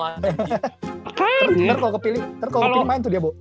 ntar kalau kepilih main tuh dia bo